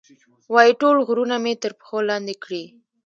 وایي، ټول غرونه مې تر پښو لاندې کړي.